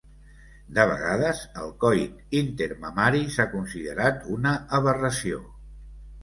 De vegades, el coit intermamari s'ha considerat una aberració.